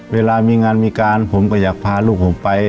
เวลามีงานมีการผมก็อยากพาลูกผมไป